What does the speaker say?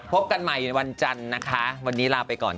พบกันใหม่ในวันจันทร์นะคะวันนี้ลาไปก่อน